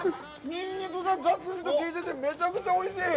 ニンニクがガツンと効いててめちゃくちゃおいしい！